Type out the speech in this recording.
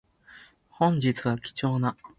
本日は貴重な